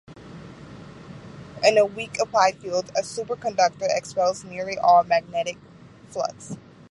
In a weak applied field, a superconductor "expels" nearly all magnetic flux.